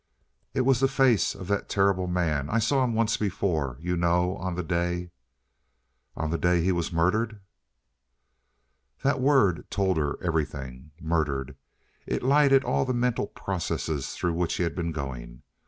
"It was the face of that terrible man. I saw him once before, you know. On the day " "On the day he was murdered!" That word told her everything. "Murdered!" It lighted all the mental processes through which he had been going.